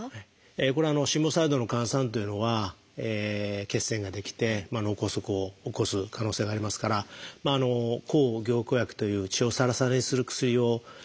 これは心房細動の患者さんというのは血栓が出来て脳梗塞を起こす可能性がありますから抗凝固薬という血をサラサラにする薬をのむ必要があります。